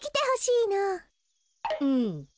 うん。